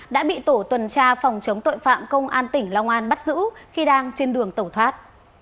đã bị tổ tuần tra phòng chống tội phạm công an tỉnh long an bắt giữ khi đang trên đường tẩu thoát